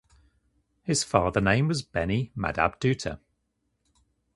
His father name was Beni Madhab Dutta.